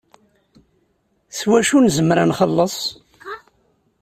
S wacu i nezem ad nxelleṣ?